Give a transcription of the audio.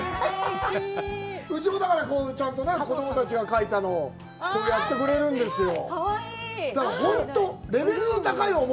うちもだから、ちゃんと子供たちが書いたのをやってくれるんですよ。